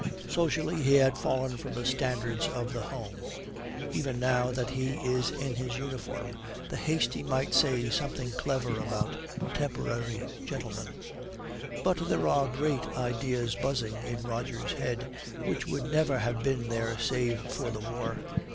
Socially he had fallen from the standards of the home; even now that he is in his uniform the hasty might say something clever about 'temporary gentlemen.' But there are great ideas buzzing in Roger's head, which would never have been there save for the war.